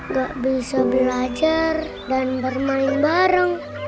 gak bisa belajar dan bermain bareng